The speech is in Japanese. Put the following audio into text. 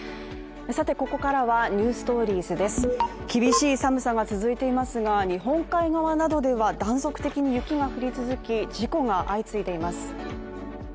厳しい寒さが続いていますが日本海側などでは断続的に雪が降り続き、事故が相次いでいます。